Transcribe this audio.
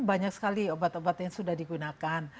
banyak sekali obat obat yang sudah digunakan